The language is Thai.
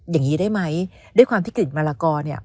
อย่างนี้ได้ไหมด้วยความที่กลิ่นมะละกอเนี่ย